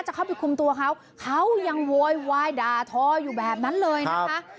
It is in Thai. จะเข้าไปคุมตัวเขาเขายังโวยวายด่าทออยู่แบบนั้นเลยนะคะ